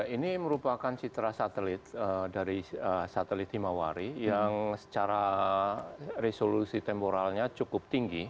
ini merupakan citra satelit dari satelit himawari yang secara resolusi temporalnya cukup tinggi